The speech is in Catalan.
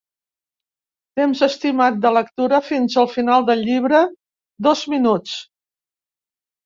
Temps estimat de lectura fins al final del llibre: dos minuts.